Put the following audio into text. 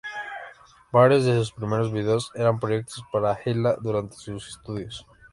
Varios de sus primeros videos eran proyectos para Hila durante sus estudios.